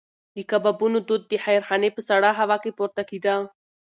د کبابونو دود د خیرخانې په سړه هوا کې پورته کېده.